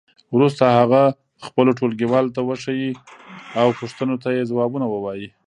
وروسته هغه خپلو ټولګیوالو ته وښیئ او پوښتنو ته یې ځوابونه ووایئ.